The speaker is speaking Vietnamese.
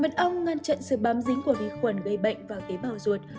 mật ong ngăn chặn sự bám dính của vi khuẩn gây bệnh vào tế bào ruột